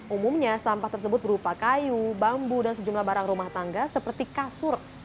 umumnya sampah tersebut berupa kayu bambu dan sejumlah barang rumah tangga seperti kasur